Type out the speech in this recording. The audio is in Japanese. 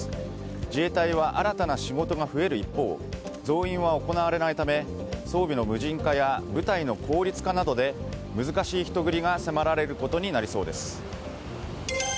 自衛隊は新たな仕事が増える一方増員は行われないため装備の無人化や部隊の効率化などで難しい人繰りが迫られることになりそうです。